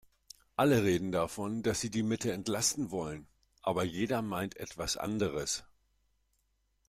Alle reden davon, dass sie die Mitte entlasten wollen, aber jeder meint etwas anderes.